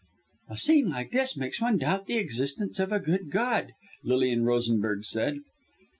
"A scene like this makes one doubt the existence of a good God," Lilian Rosenberg said.